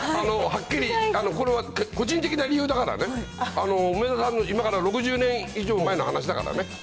はっきり、個人的な理由だからね、梅沢さんの今から６０年以上前の話だからね。